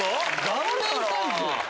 顔面サイズ？